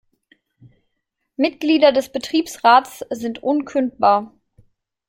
Mitglieder des Betriebsrats sind unkündbar.